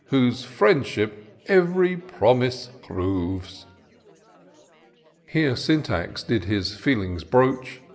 Whose friendship ev'ry promise proves." Thus Syntax did his feelings broach.